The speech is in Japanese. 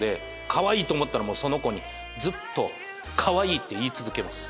かわいいと思ったらもうその子にずっとかわいいって言い続けます。